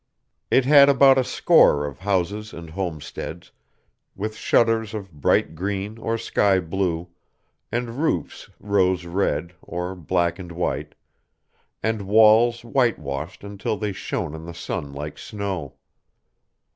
It had about a score of houses and homesteads, with shutters of bright green or sky blue, and roofs rose red or black and white, and walls white washed until they shone in the sun like snow.